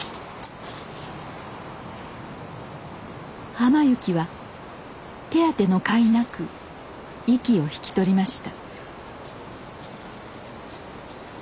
浜雪は手当てのかいなく息を引き取りました。